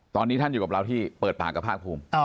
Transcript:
ตอนนี้ท่านอยู่กับเราที่เปิดปากกับภาคภูมิ